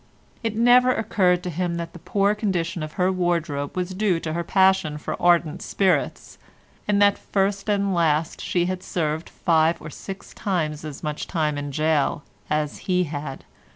It never occurred to him that the poor condition of her wardrobe was due to her passion for ardent spirits, and that first and last she had served five or six times as much time in gaol as he had.